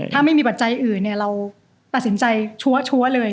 ถ้าไม่มีปัจจัยอื่นเราตัดสินใจชัวร์เลย